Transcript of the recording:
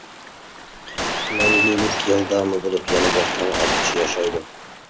مەڭگۈلۈك يالداما بولۇپ يەنە بىر تاڭ ئاتقۇچە ياشايدۇ!